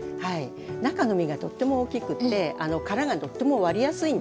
中の実がとっても大きくって殻がとっても割りやすいんですね。